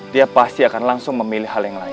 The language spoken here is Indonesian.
dia pasti akan langsung memilih hal yang lain